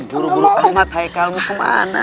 buru buru ahmad haikalmu kemana